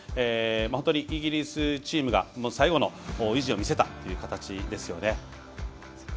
本当にイギリスチームが最後の意地を見せたっていう形ですよね。